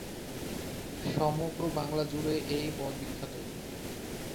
সমগ্র বাংলা জুড়ে এই পদ বিখ্যাত।